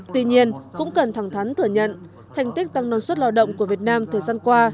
tuy nhiên cũng cần thẳng thắn thừa nhận thành tích tăng năng suất lao động của việt nam thời gian qua